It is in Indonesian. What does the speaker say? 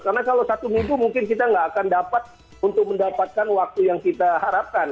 karena kalau satu minggu mungkin kita tidak akan dapat untuk mendapatkan waktu yang kita harapkan